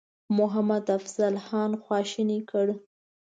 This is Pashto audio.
محمدافضل خان خواشینی کړ.